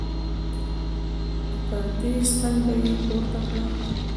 د پردې څنډه يې پورته کړه.